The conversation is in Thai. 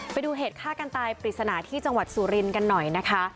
ไปดูเหตุฆ่ากันตายปริศนาที่จังหวัดสุรินทร์กันหน่อยนะคะ